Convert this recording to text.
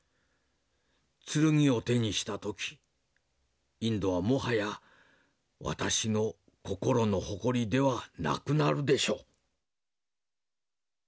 剣を手にした時インドはもはや私の心の誇りではなくなるでしょう」。